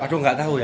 aduh nggak tahu ya